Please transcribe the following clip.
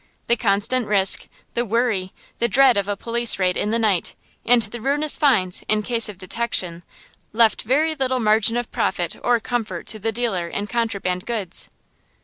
The constant risk, the worry, the dread of a police raid in the night, and the ruinous fines, in case of detection, left very little margin of profit or comfort to the dealer in contraband goods.